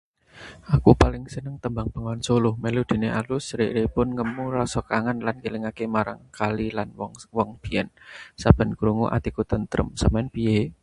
"Aku paling seneng tembang ""Bengawan Solo"". Melodiné alus, lirikipun ngemu rasa kangen lan ngilingaké marang kali lan wong-wong biyèn. Saben krungu atiku tentrem. Sampeyan piyé?"